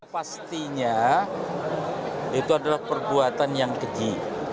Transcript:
pastinya itu adalah perbuatan yang keji